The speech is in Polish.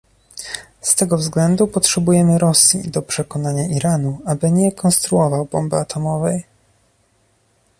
Z tego względu potrzebujemy Rosji do przekonania Iranu, aby nie konstruował bomby atomowej